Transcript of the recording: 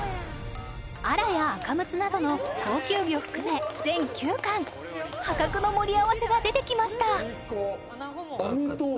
アラや赤むつなどの高級魚を含め全９貫破格の盛り合わせが出てきました